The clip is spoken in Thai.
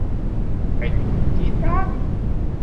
ไข่ตุ๋นกุ้งจี๊ดจ๊าด